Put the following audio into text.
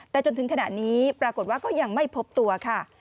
แต่จนถึงขณะนี้ปรากฏว่าก็ยังไม่พบตัวค่ะ